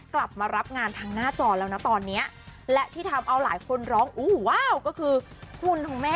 ก็ปลั๊บมารับงานทางหน้าจอแล้วนะตอนเนี้ยและที่ทำเอาหลายคนร้องอู้